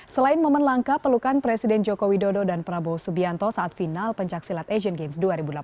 selain momen langka pelukan presiden joko widodo dan prabowo subianto saat final pencaksilat asian games dua ribu delapan belas